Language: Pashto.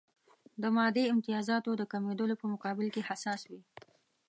د مادي امتیازاتو د کمېدلو په مقابل کې حساس وي.